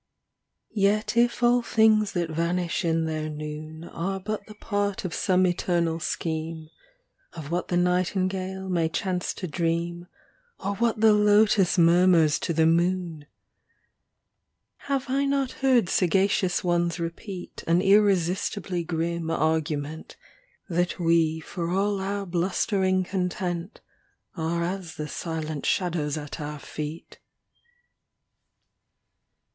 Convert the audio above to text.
xx Yet if all things that vanish in their noon Are but the part of some eternal scheme, Of what the nightingale may chance to dream Or what the lotus murmurs to the moon ! XXI Have I not heard sagacious ones repeat An irresistibly grim argument : That we for all our blustering content Are as the silent shadows at our feet.